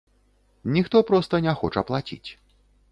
Ніхто проста не хоча плаціць.